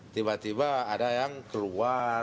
tiba tiba ada yang keluar